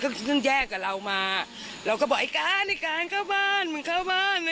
ก็เพิ่งแยกกับเรามาเราก็บอกไอ้การไอ้การเข้าบ้านมึงเข้าบ้าน